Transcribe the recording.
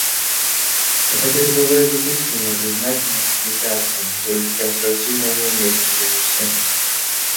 Мы хотели бы выразить искреннюю признательность делегациям за их конструктивные мнения и сотрудничество.